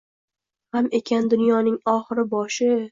G‘am ekan dunyoning oxiri, boshi